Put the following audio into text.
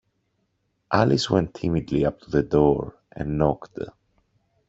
Alice went timidly up to the door, and knocked.